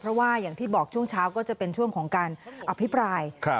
เพราะว่าอย่างที่บอกช่วงเช้าก็จะเป็นช่วงของการอภิปราย